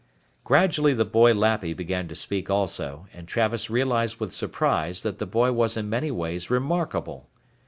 Gradually the boy Lappy began to speak also, and Travis realized with surprise that the boy was in many ways remarkable.